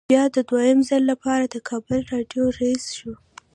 بیا د دویم ځل لپاره د کابل راډیو رییس شو.